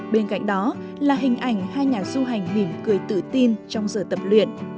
bên cạnh đó là hình ảnh hai nhà du hành mỉm cười tự tin trong giờ tập luyện